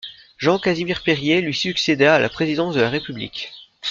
Jean Casimir-Perier lui succéda à la présidence de la République.